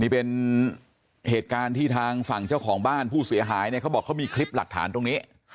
นี่เป็นเหตุการณ์ที่ทางฝั่งเจ้าของบ้านผู้เสียหายเนี่ยเขาบอกเขามีคลิปหลักฐานตรงนี้